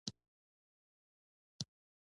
له مېلمستونونو او تړلو دوکانونو څخه تېر شوو.